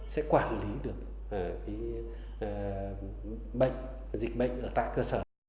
sẽ quản lý được dịch bệnh ở tại cơ sở